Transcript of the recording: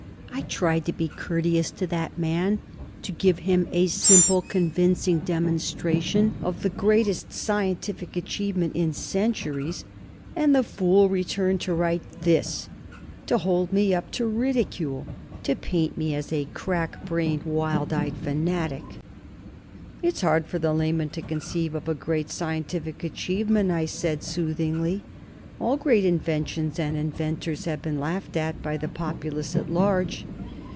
"I tried to be courteous to that man; to give him a simple, convincing demonstration of the greatest scientific achievement in centuries. And the fool returned to write this: to hold me up to ridicule, to paint me as a crack brained, wild eyed fanatic." "It's hard for the layman to conceive of a great scientific achievement," I said soothingly. "All great inventions and inventors have been laughed at by the populace at large."